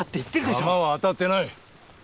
弾は当たってない！